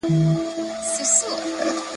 یوه ورځ ګورې چي ولاړ سي له جهانه !.